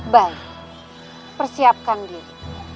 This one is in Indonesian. baik persiapkan diri